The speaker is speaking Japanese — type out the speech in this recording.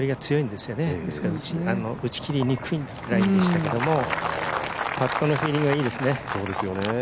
ですから打ち切りにくいラインでしたけどパットのフィーリングがいいですね。